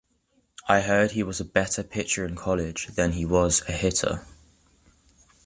I heard he was a better pitcher in college than he was a hitter.